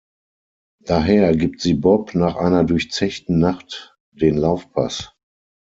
Daher gibt sie Bob nach einer durchzechten Nacht den Laufpass.